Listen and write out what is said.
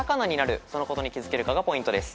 そのことに気付けるかがポイントです。